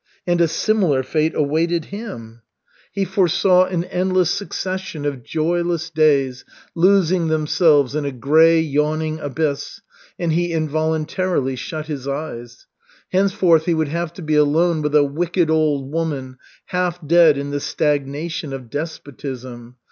And a similar fate awaited him. He foresaw an endless succession of joyless days losing themselves in a grey yawning abyss, and he involuntarily shut his eyes. Henceforth he would have to be alone with a wicked old woman, half dead in the stagnation of despotism.